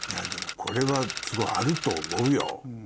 これはすごいあると思うよ。